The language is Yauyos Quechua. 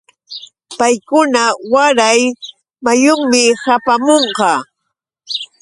Paykuna waray muyunmi hapaamunqa.